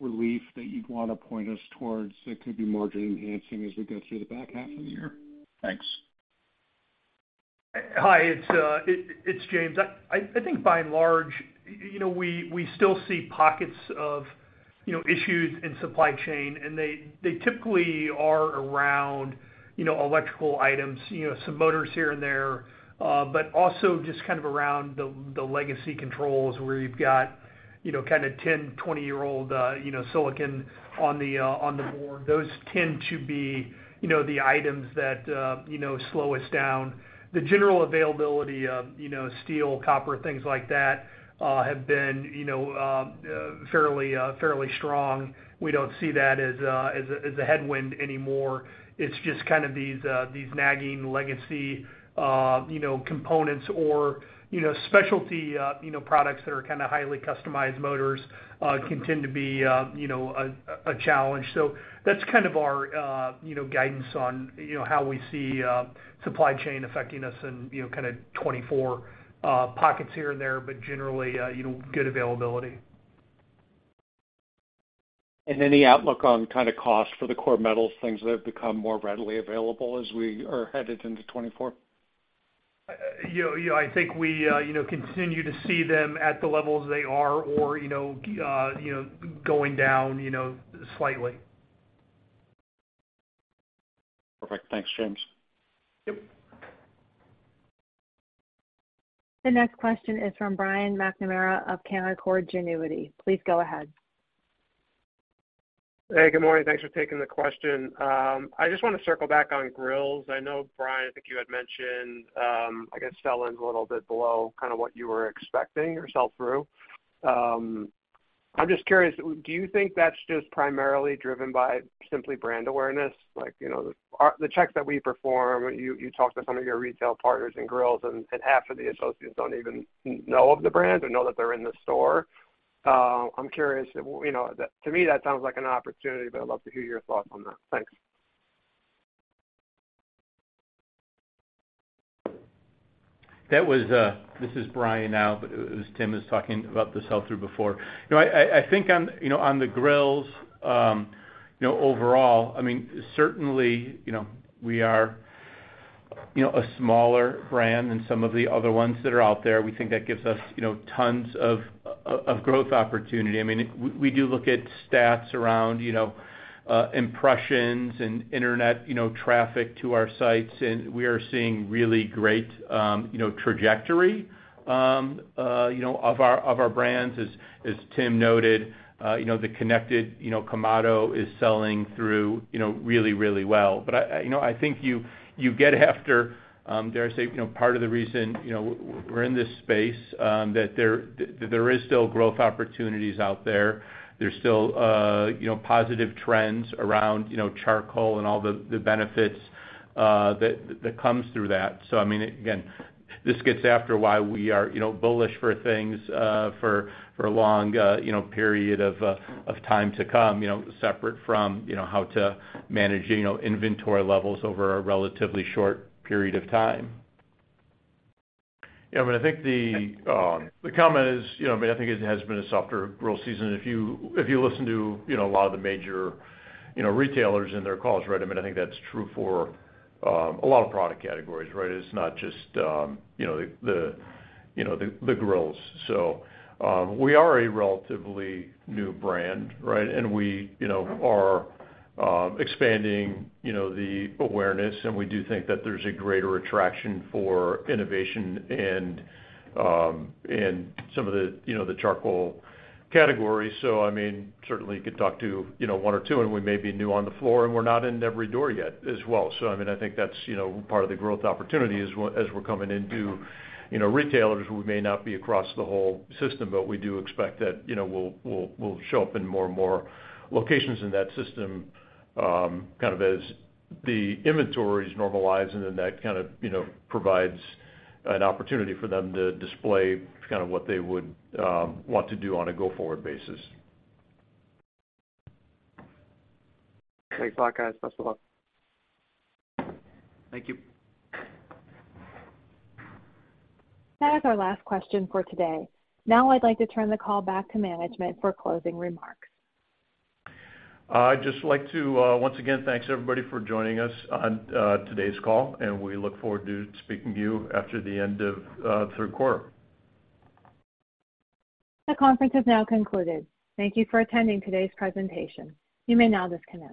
relief that you'd want to point us towards that could be margin-enhancing as we go through the back half of the year? Thanks. Hi, it's, it's James. I think by and large, you know, we still see pockets of, you know, issues in supply chain, and they typically are around, you know, electrical items, you know, some motors here and there. But also just kind of around the, the legacy controls, where you've got, you know, kind of 10, 20 year old, you know, silicon on the board. Those tend to be, you know, the items that, you know, slow us down. The general availability of, you know, steel, copper, things like that, have been, you know, fairly strong. We don't see that as a, as a, as a headwind anymore. It's just kind of these, these nagging legacy, you know, components or, you know, specialty, you know, products that are kind of highly customized motors, can tend to be, you know, a, a challenge. That's kind of our, you know, guidance on, you know, how we see, supply chain affecting us and, you know, kind of 2024, pockets here and there, but generally, you know, good availability. Any outlook on kind of cost for the core metals, things that have become more readily available as we are headed into 2024? You know, yeah, I think we, you know, continue to see them at the levels they are or, you know, you know, going down, you know, slightly. Perfect. Thanks, James. Yep. The next question is from Brian McNamara of Canaccord Genuity. Please go ahead. Hey, good morning. Thanks for taking the question. I just want to circle back on grills. I know, Bryan, I think you had mentioned, I guess, sell-ins a little bit below, kind of what you were expecting or sell through. I'm just curious, do you think that's just primarily driven by simply brand awareness? Like, you know, the are-- the checks that we perform, you, you talk to some of your retail partners and grills, and, and half of the associates don't even know of the brand or know that they're in the store. I'm curious, you know, that to me, that sounds like an opportunity, but I'd love to hear your thoughts on that. Thanks. That was, this is Bryan now, but it was Tim, who was talking about the sell-through before. You know, I, I, I think on, you know, on the grills, you know, overall, I mean, certainly, you know, we are, you know, a smaller brand than some of the other ones that are out there. We think that gives us, you know, tons of, of growth opportunity. I mean, w-we do look at stats around, you know, impressions and internet, you know, traffic to our sites, and we are seeing really great, you know, trajectory, you know, of our, of our brands. As, as Tim noted, you know, the Konnected, you know, Kamado is selling through, you know, really, really well. I, you know, I think you, you get after, dare I say, you know, part of the reason, you know, we're in this space, that there, that there is still growth opportunities out there. There's still, you know, positive trends around, you know, charcoal and all the, the benefits that, that comes through that. I mean, again, this gets after why we are, you know, bullish for things, for, for a long, you know, period of, of time to come, you know, separate from, you know, how to manage, you know, inventory levels over a relatively short period of time. I think the comment is, you know, I mean, I think it has been a softer grill season. If you, if you listen to, you know, a lot of the major, you know, retailers in their calls, right? I mean, I think that's true for a lot of product categories, right? It's not just, you know, the, the, you know, the, the grills. We are a relatively new brand, right? And we, you know, are expanding, you know, the awareness, and we do think that there's a greater attraction for innovation and, in some of the, you know, the charcoal categories. I mean, certainly, you could talk to, you know, one or two, and we may be new on the floor, and we're not in every door yet as well. I mean, I think that's, you know, part of the growth opportunity as as we're coming into, you know, retailers. We may not be across the whole system, but we do expect that, you know, we'll, we'll, we'll show up in more and more locations in that system, kind of as the inventories normalize, and then that kind of, you know, provides an opportunity for them to display kind of what they would, want to do on a go-forward basis. Thanks a lot, guys. Best of luck. Thank you. That is our last question for today. Now, I'd like to turn the call back to management for closing remarks. I'd just like to, once again, thanks everybody for joining us on today's call. We look forward to speaking to you after the end of third quarter. The conference has now concluded. Thank you for attending today's presentation. You may now disconnect.